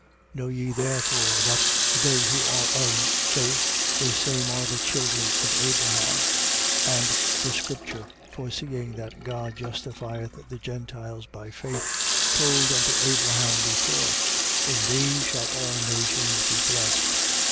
3:7. Know ye, therefore, that they who are of faith, the same are the children of Abraham. 3:8. And the scripture, foreseeing that God justifieth the Gentiles by faith, told unto Abraham before: In thee shall all nations be blessed.